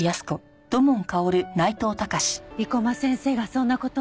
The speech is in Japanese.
生駒先生がそんな事を。